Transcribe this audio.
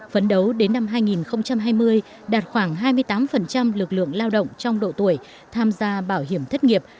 phấn đấu đến năm hai nghìn hai mươi đạt khoảng hai mươi tám lực lượng lao động trong độ tuổi tham gia bảo hiểm thất nghiệp